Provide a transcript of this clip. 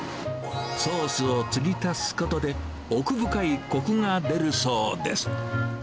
ソースを継ぎ足すことで、奥深いこくが出るそうです。